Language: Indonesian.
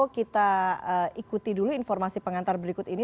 kita ikuti dulu informasi pengantar berikut ini